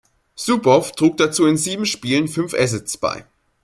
Subow trug dazu in sieben Spielen fünf Assists bei.